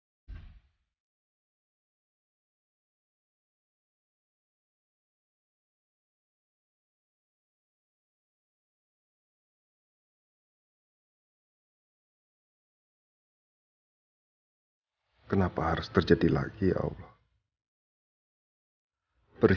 sampai kapan gue harus stay disini